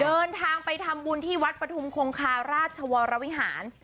เดินทางไปทำบุญที่วัดปฐุมคงคาราชวรวิหาร